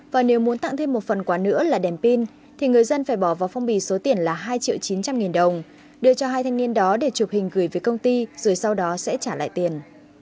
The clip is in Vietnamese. và nếu muốn tặng thêm một phần quà nữa là đèn pin thì người dân phải bỏ vào phong bì số tiền là hai triệu chín trăm linh nghìn đồng đưa cho hai thanh niên đó để chụp hình gửi về công ty rồi sau đó sẽ trả lại tiền